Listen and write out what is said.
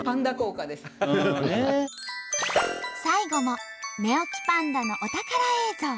最後も寝起きパンダのお宝映像。